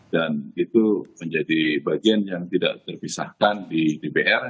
dan itu menjadi bagian yang tidak terpisahkan di dpr